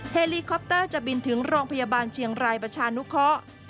เฮลีคอปเตอร์จะบินถึงโรงพยาบาลเชียงรายประชานุเคาะ